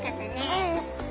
うん。